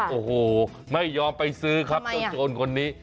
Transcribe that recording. โอ้โหไม่ยอมไปซื้อครับเจ้าโจรคนนี้